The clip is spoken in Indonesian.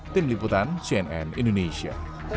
tim liputan cnn indonesia